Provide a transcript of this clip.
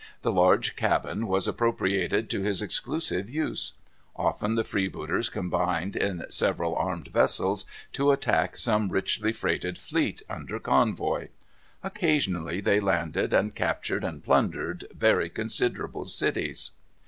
The large cabin was appropriated to his exclusive use. Often the freebooters combined, in several armed vessels, to attack some richly freighted fleet under convoy. Occasionally they landed, and captured and plundered very considerable cities.